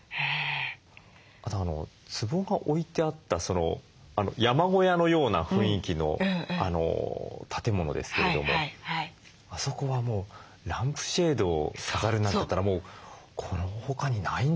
あとつぼが置いてあった山小屋のような雰囲気の建物ですけれどもあそこはもうランプシェードを飾るなんていったらもうこの他にないんじゃないかって。